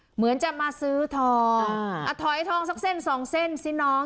เหมือนจะมาซื้อทองอ่ะถอยทองสักเส้นสองเส้นสิน้อง